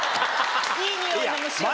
いい匂いの虫よけ。